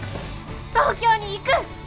東京に行く！